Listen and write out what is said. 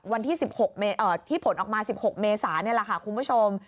วันที่ผลออกมา๑๖เมษานี่แหละคุณผู้ชม